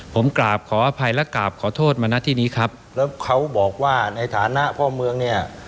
ผมกราบขออภัยและกราบขอโทษมานะที่นี้ครับแล้วเขาบอกว่าในฐานะพ่อเมืองเนี่ย